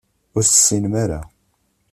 Ur tessinem ara.